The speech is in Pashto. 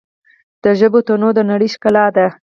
د ژبو تنوع د نړۍ ښکلا ده.